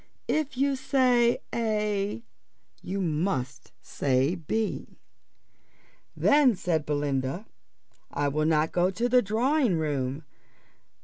If you say a you must say b." "Then," said Belinda, "I will not go to the drawing room."